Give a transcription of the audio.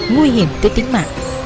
nguy hiểm tới tính mạng